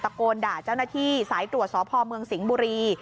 โกนด่าเจ้าหน้าที่สายตรวจสพเมืองสิงห์บุรี